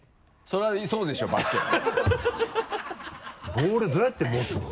ボールどうやって持つの？